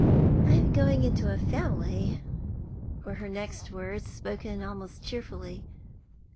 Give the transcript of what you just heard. "I am going into a family," were her next words, spoken almost cheerfully.